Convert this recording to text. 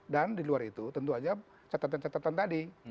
dan di luar itu tentu saja catatan catatan tadi